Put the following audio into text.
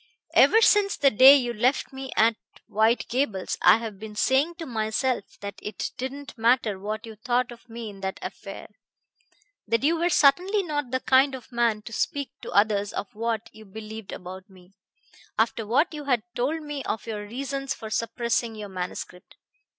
Ever since the day you left me at White Gables I have been saying to myself that it didn't matter what you thought of me in that affair; that you were certainly not the kind of man to speak to others of what you believed about me, after what you had told me of your reasons for suppressing your manuscript.